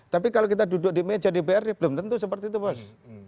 tapi kalau kita duduk di meja dprd belum tentu seperti itu bos